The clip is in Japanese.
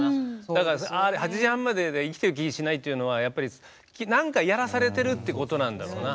だから８時半までで生きてる気しないっていうのはやっぱり、やらされてるってことなんだろうな。